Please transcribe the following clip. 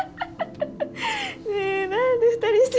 ねえ何で２人して。